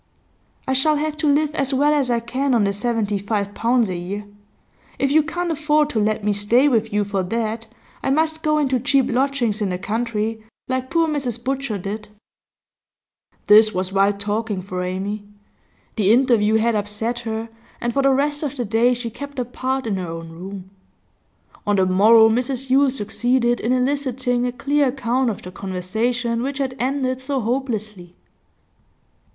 'I shall have to live as well as I can on the seventy five pounds a year. If you can't afford to let me stay with you for that, I must go into cheap lodgings in the country, like poor Mrs Butcher did.' This was wild talking for Amy. The interview had upset her, and for the rest of the day she kept apart in her own room. On the morrow Mrs Yule succeeded in eliciting a clear account of the conversation which had ended so hopelessly.